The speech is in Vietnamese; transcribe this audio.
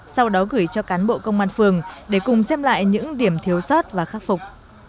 sau đó gửi cho cán bộ công an phường để cùng xem lại những điểm thiếu sót và khắc phục